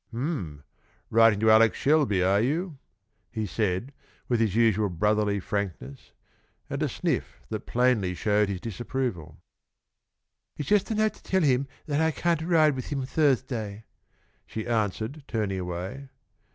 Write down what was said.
"Hm! Writing to Alex Shelby, are you?" he said, with his usual brotherly frankness, and a sniff that plainly showed his disapproval. "It's just a note to tell him that I can't ride with him Thursday," she answered, turning away.